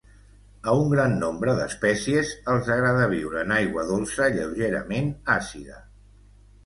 A un gran nombre d'espècies els agrada viure en aigua dolça lleugerament àcida.